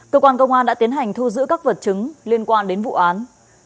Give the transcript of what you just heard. cơ quan công an đã tiến hành thu giữ các vật chứng liên quan đến vụ án